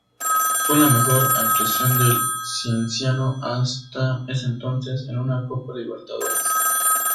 Fue la mejor actuación del Cienciano hasta ese entonces en una Copa Libertadores.